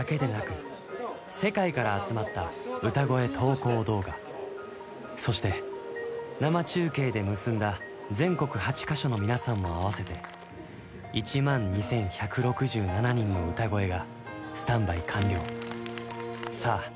日本だけでなくそして生中継で結んだ全国８か所のみなさんも合わせて１万２１６７人の歌声がスタンバイ完了さあ